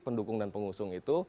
pendukung dan pengusung itu